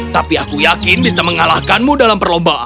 tapi aku yakin bisa mengalahkanmu dalam perlombaan